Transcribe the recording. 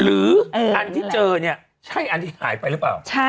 หรืออันที่เจอเนี่ยใช่อันที่หายไปหรือเปล่า